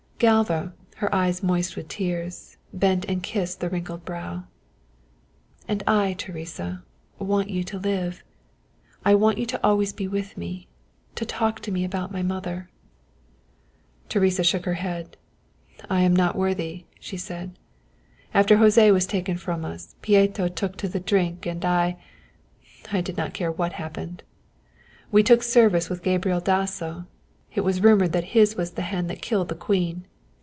Galva, her eyes moist with tears, bent and kissed the wrinkled brow. "And I, Teresa, want you to live. I think I want you always to be with me, to talk to me about my mother." Teresa shook her head. "I am not worthy," she said. "After José was taken from us, Pieto took to the drink, and I I did not care what happened. We took service with Gabriel Dasso it was rumoured that his was the hand that killed the Queen.